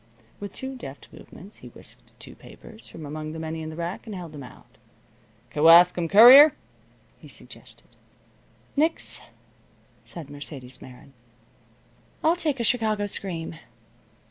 With two deft movements he whisked two papers from among the many in the rack, and held them out. "Kewaskum Courier?" he suggested. "Nix," said Mercedes Meron, "I'll take a Chicago Scream."